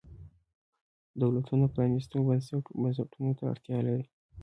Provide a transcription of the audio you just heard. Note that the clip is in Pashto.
دولتونه پرانیستو بنسټونو ته اړتیا لري.